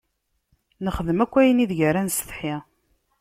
Nexdem akk ayen ideg ara nessetḥi.